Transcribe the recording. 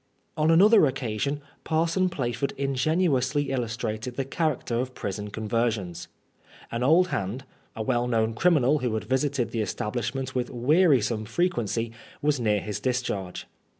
On another occasion. Parson Plaford ingenuously illustrated the character of prison conversions. An old hand, a well known criminal who had visited the establishment with wearisome frequency, was near his discharge.